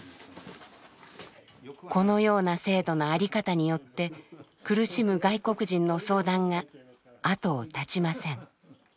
このような制度の在り方によって苦しむ外国人の相談が後を絶ちません。